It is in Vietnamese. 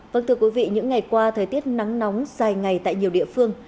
vâng thưa quý vị những ngày qua thời tiết nắng nóng dài ngày tại nhiều địa phương